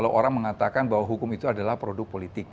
kalau orang mengatakan bahwa hukum itu adalah produk politik